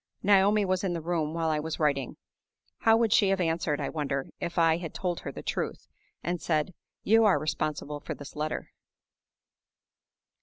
Naomi was in the room while I was writing. How would she have answered, I wonder, if I had told her the truth, and said, "You are responsible for this letter?"